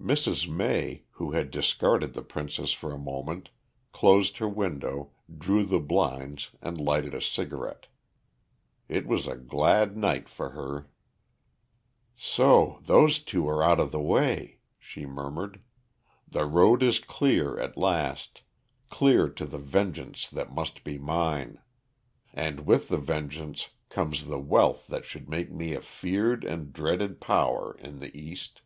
Mrs. May, who had discarded the princess for a moment, closed her window, drew the blinds and lighted a cigarette. It was a glad night for her. "So those two are out of the way," she murmured. "The road is clear at last clear to the vengeance that must be mine. And with the vengeance comes the wealth that should make me a feared and dreaded power in the East.